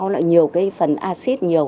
nó phải có nhiều cái phần acid nhiều